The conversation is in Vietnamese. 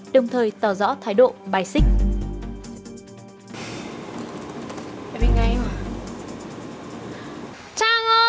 đồng thời tỏ rõ thái độ bài xích